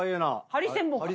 ハリセンボンか。